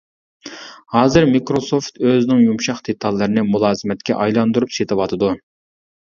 ھازىر مىكروسوفت ئۆزىنىڭ يۇمشاق دېتاللىرىنى مۇلازىمەتكە ئايلاندۇرۇپ سېتىۋاتىدۇ.